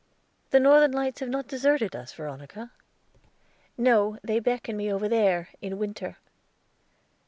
"The Northern Lights have not deserted us, Veronica?" "No; they beckon me over there, in winter."